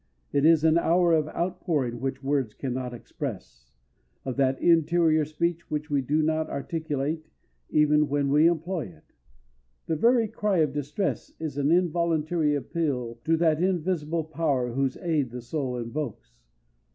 It is an hour of outpouring which words can not express—of that interior speech which we do not articulate even when we employ it. The very cry of distress is an involuntary appeal to that invisible Power whose aid the soul invokes.